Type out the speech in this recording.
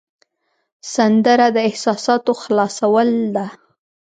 سندره د احساساتو خلاصول ده